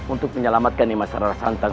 untuk menyelamatkan nimasarara santang